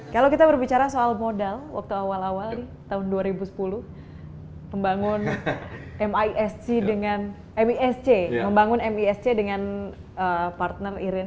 kalau kita berbicara soal modal waktu awal awal tahun dua ribu sepuluh membangun misc dengan partner irene